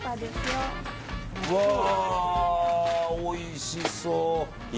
わあ、おいしそう。